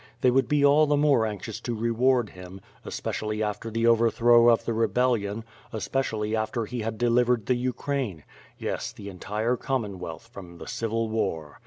They would be all the more anxious to reward him, especially after the overthrow of the rebellion, especially after he had de livered the Ukraine, — ^yes, the entire Commonwealth, from the civil war.